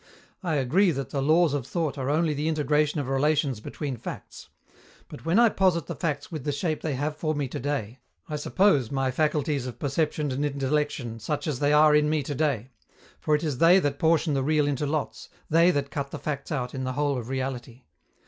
I agree that the laws of thought are only the integration of relations between facts. But, when I posit the facts with the shape they have for me to day, I suppose my faculties of perception and intellection such as they are in me to day; for it is they that portion the real into lots, they that cut the facts out in the whole of reality.